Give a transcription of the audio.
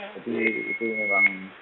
jadi itu memang